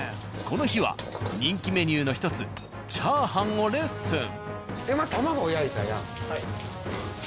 この日は人気メニューの１つ炒飯をレッスン。